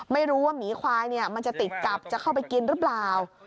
ไม่รู้ว่ามีขวายเนี่ยมันจะติดกลับจะเข้าไปกินรึเปล่า